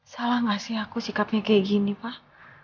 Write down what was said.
salah gak sih aku sikapnya kayak gini pak